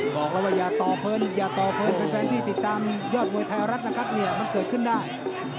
บอกแล้วว่าอย่าตอเพิ่ลที่ติดตามยอดมวยไทยอารัฐมันเกิดขึ้นได้